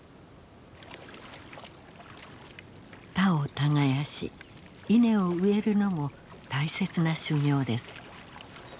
田を耕し稲を植えるのも大切な修行です。